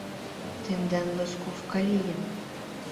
Тендан восковка лийын.